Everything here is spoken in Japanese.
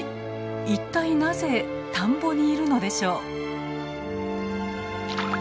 一体なぜ田んぼにいるのでしょう？